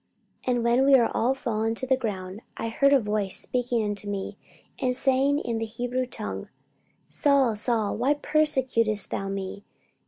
44:026:014 And when we were all fallen to the earth, I heard a voice speaking unto me, and saying in the Hebrew tongue, Saul, Saul, why persecutest thou me?